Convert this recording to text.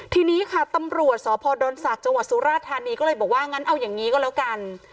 ทีนี้ค่ะตำรวจสพดศจวรษฏษนาธาณีย์ก็เลยบอกว่างันเอาอย่างนี้ก็แล้วกัน